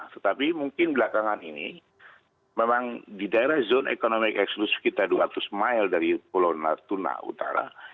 tetapi mungkin belakangan ini memang di daerah zone ekonomi eksklusif kita dua ratus mile dari pulau natuna utara